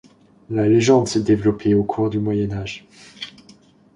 La légende s'est développée au cours du Moyen Âge.